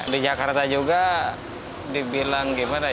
di jakarta juga dibilang gitu